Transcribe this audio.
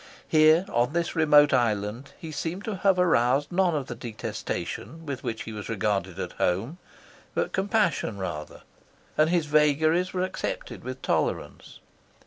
Here, on this remote island, he seemed to have aroused none of the detestation with which he was regarded at home, but compassion rather; and his vagaries were accepted with tolerance.